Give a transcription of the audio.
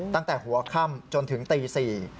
ตั้งแต่หัวค่ำจนถึงตี๔